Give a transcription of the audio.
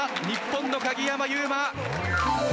日本の鍵山優真。